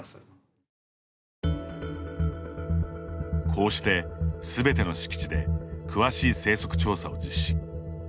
こうして、すべての敷地で詳しい生息調査を実施。